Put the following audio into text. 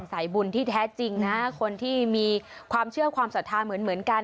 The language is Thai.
สายบุญที่แท้จริงนะคนที่มีความเชื่อความศรัทธาเหมือนกัน